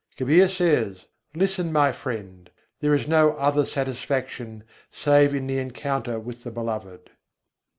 Kabîr says: "Listen, my friend! there is no other satisfaction, save in the encounter with the Beloved."